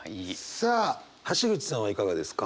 さあ橋口さんはいかがですか？